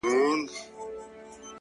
نوره سپوږمۍ راپسي مه ږغـوه ـ